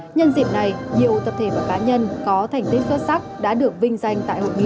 nhân dịp này nhiều tập thể và cá nhân có thành tích xuất sắc đã được vinh danh tại hội nghị